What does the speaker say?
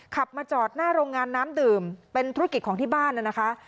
ขับมาจอดหน้าโรงงานน้ำดื่มเป็นธุรกิจของที่บ้านนะคะ